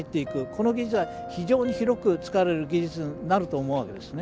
この技術は非常に広く使われる技術になると思うわけですね。